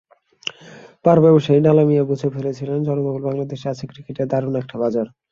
পাঁড় ব্যবসায়ী ডালমিয়া বুঝে ফেলেছিলেন জনবহুল বাংলাদেশে আছে ক্রিকেটের দারুণ একটা বাজার।